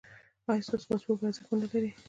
ایا ستاسو پاسپورت به ارزښت و نه لري؟